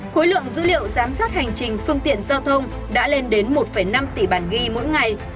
khối lượng dữ liệu giám sát hành trình phương tiện giao thông đã lên đến một năm tỷ bản ghi mỗi ngày